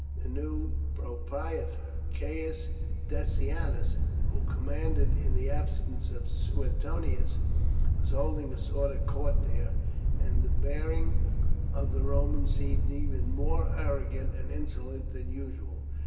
The new propraetor Catus Decianus, who commanded in the absence of Suetonius, was holding a sort of court there, and the bearing of the Romans seemed even more arrogant and insolent than usual.